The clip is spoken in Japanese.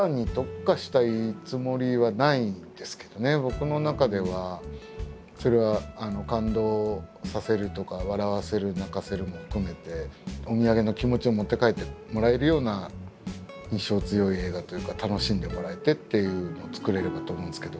僕の中ではそれは感動させるとか笑わせる泣かせるも含めてお土産の気持ちを持って帰ってもらえるような印象強い映画というか楽しんでもらえてっていうのを作れればと思うんですけど。